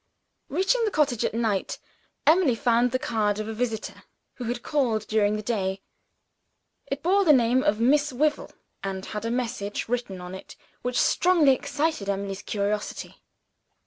Reaching the cottage at night, Emily found the card of a visitor who had called during the day. It bore the name of "Miss Wyvil," and had a message written on it which strongly excited Emily's curiosity.